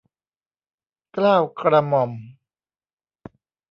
เกล้ากระหม่อม